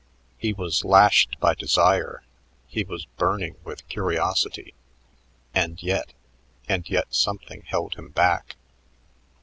He was lashed by desire; he was burning with curiosity and yet, and yet something held him back.